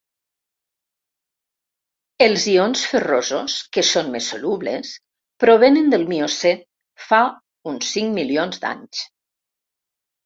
Els ions ferrosos que són més solubles provenen del Miocè fa uns cinc milions d'anys.